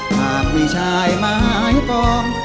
หากมีชายไม้ปลอม